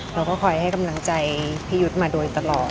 เราก็คอยให้กำลังใจพี่ยุทธ์มาโดยตลอด